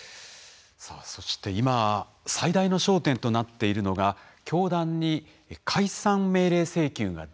そして今最大の焦点となっているのが教団に解散命令請求が出されるかどうかです。